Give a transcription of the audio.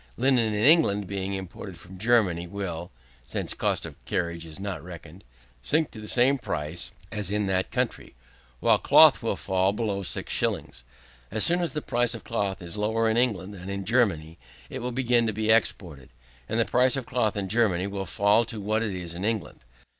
Linen in England being imported from Germany, will (since cost of carriage is not reckoned) sink to the same price as in that country, while cloth will fall below six shillings. As soon as the price of cloth is lower in England than in Germany, it will begin to be exported, and the price of cloth in Germany will fall to what it is in England.